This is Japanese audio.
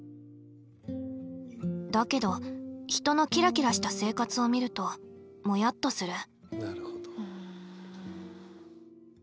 だけど人のキラキラした生活を見るともやっとする。